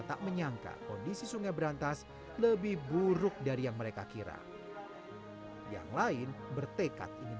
tak menyangka kondisi sungai berantas lebih buruk dari yang mereka kira yang lain bertekad ingin